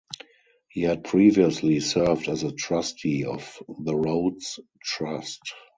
He had previously served as a Trustee of the Rhodes Trust.